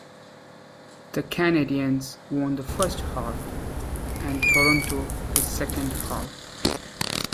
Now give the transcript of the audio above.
The Canadiens won the first half, and Toronto the second half.